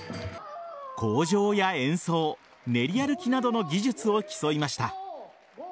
口上や演奏練り歩きなどの技術を競いました。